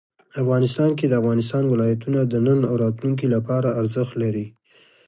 افغانستان کې د افغانستان ولايتونه د نن او راتلونکي لپاره ارزښت لري.